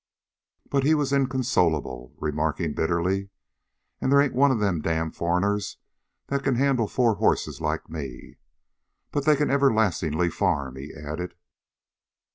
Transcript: But he was inconsolable, remarking bitterly: "An' they ain't one of them damn foreigners that can handle four horses like me. "But they can everlastingly farm," he added.